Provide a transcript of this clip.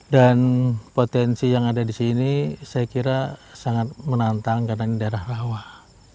dan potensi yang ada disini saya kira sangat menantang karena ini daerah rawah